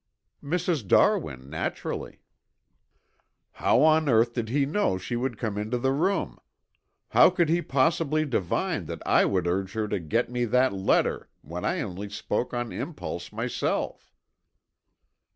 "Mrs. Darwin, naturally." "How on earth did he know she would come into the room? How could he possibly divine that I would urge her to get me that letter when I only spoke on impulse myself?"